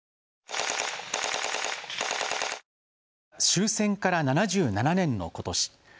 終戦から７７年のことし。